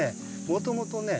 もともとね